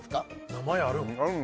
名前あるん？